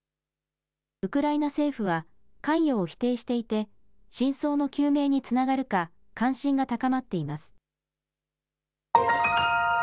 ウクライナ政府は関与を否定していて真相の究明につながるか関心が高まっています。